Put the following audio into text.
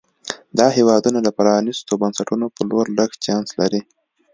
دا هېوادونه د پرانیستو بنسټونو په لور لږ چانس لري.